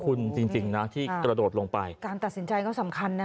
คุณจริงจริงนะที่กระโดดลงไปการตัดสินใจก็สำคัญนะ